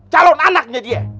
calon anaknya dia